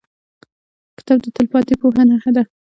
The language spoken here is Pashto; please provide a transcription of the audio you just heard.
کتاب د تلپاتې پوهې نښه ده.